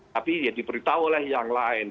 tapi ya diberitahu oleh yang lain